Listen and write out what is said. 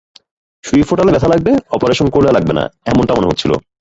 সুই ফোটালে ব্যথা লাগবে, অপারেশন করলে লাগবে না, এমনটা মনে হচ্ছিল।